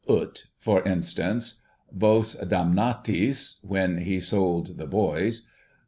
Ui — for instance, Vos damnastis — when he sold the boys.